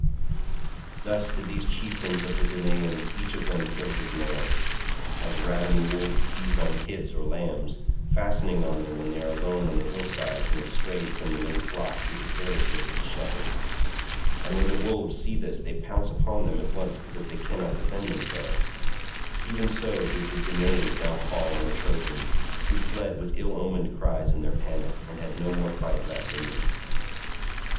Thus did these chieftains of the Danaans each of them kill his man. As ravening wolves seize on kids or lambs, fastening on them when they are alone on the hillsides and have strayed from the main flock through the carelessness of the shepherd—and when the wolves see this they pounce upon them at once because they cannot defend themselves—even so did the Danaans now fall on the Trojans, who fled with ill omened cries in their panic and had no more fight left in them.